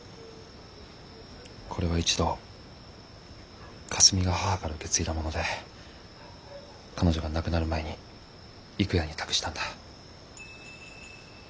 これは一度香澄が母から受け継いだもので彼女が亡くなる前に郁弥に託したんだ。